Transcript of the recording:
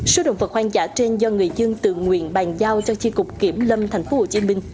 số động vật hoang dã trên do người dân tự nguyện bàn giao cho chiếc cục kiểm lâm tp hcm